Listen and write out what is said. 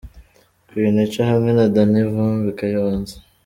Queen Cha hamwe na Danny Vumbi i Kayonza.